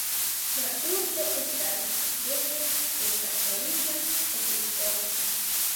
La urbo estas sidejo de katolika episkopo.